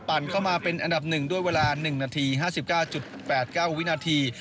เข้ามาเป็นอันดับ๑ด้วยเวลา๑นาที๕๙๘๙วินาที